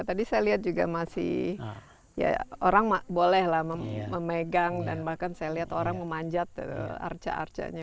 tadi saya lihat juga masih ya orang bolehlah memegang dan bahkan saya lihat orang memanjat arca arcanya